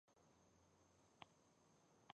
توصيفي مؤکده تشبیه، چي مشبه به ئې توصیفي ترکيب ولري.